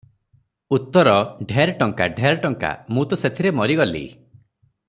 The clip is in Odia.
ଉତ୍ତର 'ଢ଼େର ଟଙ୍କା, ଢ଼େର ଟଙ୍କା, ମୁଁ ତ ସେଥିରେ ମରିଗଲି ।